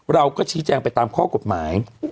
เราก็ชี้แจงไปตามข้อกฎหมาย